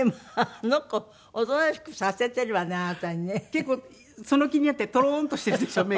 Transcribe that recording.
結構その気になってとろーんとしてるでしょ目が。